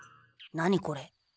何これ？